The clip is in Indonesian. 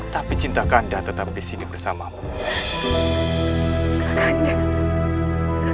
tapi cinta kanda tetap disini bersamamu